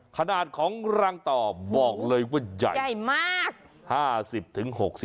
ขนาดของรังต่อบอกเลยว่าใหญ่ใหญ่มาก